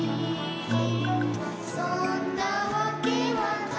「そんなわけはないけれど」